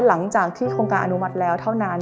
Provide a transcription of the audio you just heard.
หลังจากที่โครงการอนุมัติแล้วเท่านั้น